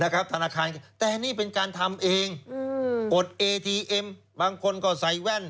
ธนาคารแต่นี่เป็นการทำเองกดเอทีเอ็มบางคนก็ใส่แว่น